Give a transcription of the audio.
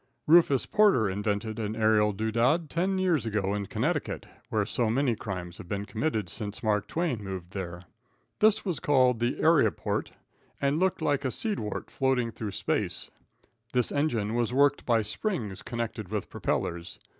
Rufus Porter invented an aerial dewdad ten years ago in Connecticut, where so many crimes have been committed since Mark Twain moved there. This was called the "aeraport," and looked like a seed wart floating through space. This engine was worked by springs connected with propellers.